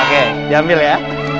oke diambil ya